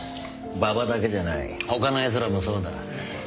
馬場だけじゃない他のやつらもそうだ。